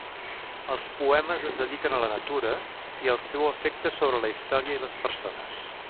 Els poemes es dediquen a la natura i el seu efecte sobre la història i les persones.